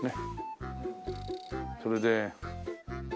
それで。